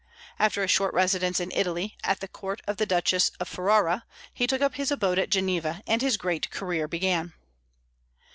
After a short residence in Italy, at the court of the Duchess of Ferrara, he took up his abode at Geneva, and his great career began.